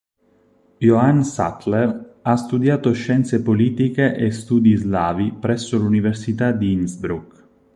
Johann Sattler ha studiato Scienze Politiche e Studi Slavi presso l'Università di Innsbruck.